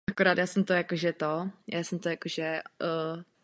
Nejvíce proslula v americké televizní reality show "Hogan má pravdu".